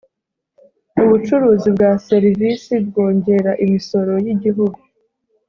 ubucuruzi bwa serivisi bwongera imisoro y’igihugu.